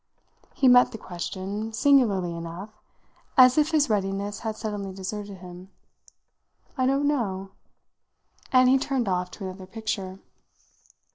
He met the question singularly enough as if his readiness had suddenly deserted him. "I don't know!" and he turned off to another picture.